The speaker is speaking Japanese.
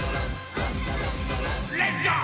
レッツゴー！